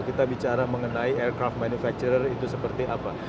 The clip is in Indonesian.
kita bicara mengenai aircraft manufacture itu seperti apa